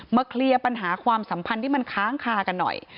เคลียร์ปัญหาความสัมพันธ์ที่มันค้างคากันหน่อย